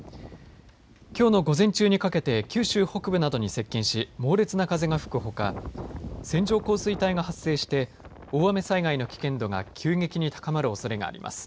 きょうの午前中にかけて九州北部などに接近し猛烈な風が吹くほか線状降水帯が発生して大雨災害の危険度が急激に高まるおそれがあります。